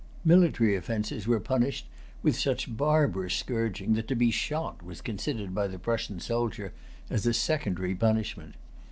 Military offences were punished with such barbarous scourging that to be shot was considered by the Prussian soldier as a secondary punishment.